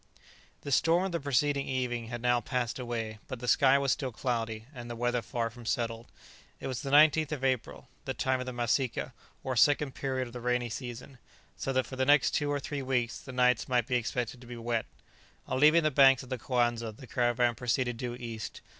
The storm of the preceding evening had now passed away, but the sky was still cloudy and the weather far from settled. It was the 19th of April, the time of the masika, or second period of the rainy season, so that for the next two or three weeks the nights might be expected to be wet. On leaving the banks of the Coanza the caravan proceeded due east.